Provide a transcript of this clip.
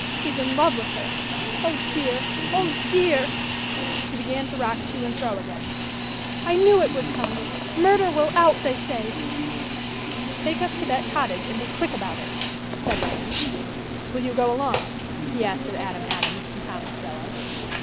He's in love with her. Oh, dear! Oh, dear!" she began to rock to and fro again. "I knew it would come! Murder will out, they say!" "Take us to that cottage and be quick about it," said Raymond. "Will you go along?" he asked of Adam Adams and Tom Ostrello.